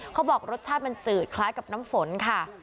เขาบอกรสชาติมันจืดคล้ายกับน้ำฝนค่ะ